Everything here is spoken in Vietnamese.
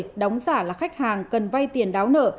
đóng giả là khách hàng cần vay tiền đáo nợ